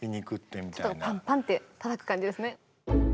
パンパンってたたく感じですね。